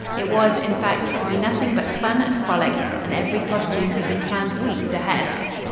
It was, in fact, to be nothing but fun and frolic, and every costume had been planned weeks ahead.